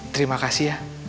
terima kasih ya